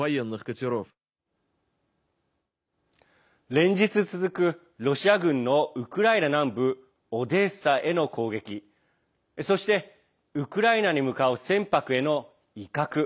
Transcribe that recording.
連日続く、ロシア軍のウクライナ南部オデーサへの攻撃そして、ウクライナに向かう船舶への威嚇。